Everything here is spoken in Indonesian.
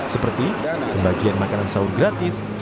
seperti pembagian makanan sahur gratis